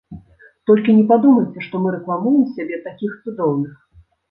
Толькі не падумайце, што мы рэкламуем сябе, такіх цудоўных!